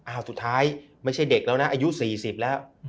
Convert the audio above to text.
สุดท้ายไม่ใช่เด็กแล้วนะอายุ๔๐แล้ว